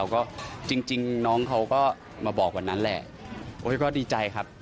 ก็จริงน้องเขาก็มาบอกวันนั้นแหละโอ้ยก็ดีใจครับ